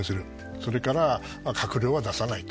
それから閣僚は出さないと。